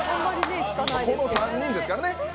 この３人ですからね。